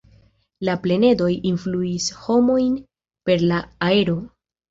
La planedoj influis homojn per la aero.